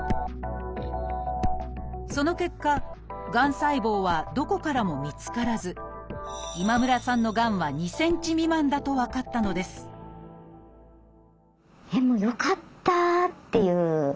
その結果がん細胞はどこからも見つからず今村さんのがんは２ｃｍ未満だと分かったのですよかった！っていう。